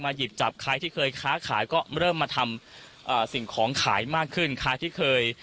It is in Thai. หยิบจับใครที่เคยค้าขายก็เริ่มมาทำสิ่งของขายมากขึ้นใครที่เคย